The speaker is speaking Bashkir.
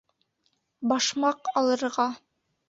— Башмаҡ алырға.